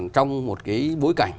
trong một cái bối cảnh